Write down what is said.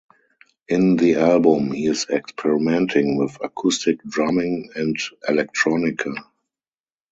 In the album, he is experimenting with acoustic drumming and Electronica.